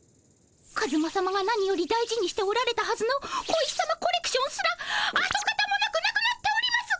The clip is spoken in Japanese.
カズマさまが何より大事にしておられたはずの小石さまコレクションすらあとかたもなくなくなっております！